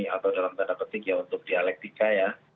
atau dalam tanda petik ya untuk dialektika ya